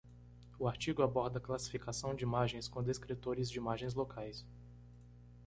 O artigo aborda a classificação de imagens com descritores de imagens locais.